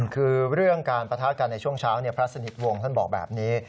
คือเรื่องการปะทะกันในช่วงเช้าพระสนิทวงศ์ท่านบอกแบบนี้